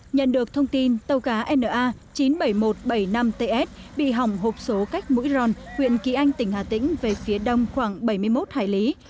nhận được thông tin tàu cá na chín mươi bảy nghìn một trăm bảy mươi năm ts bị hỏng hộp số cách mũi ròn huyện kỳ anh tỉnh hà tĩnh về phía đông khoảng bảy mươi một hải lý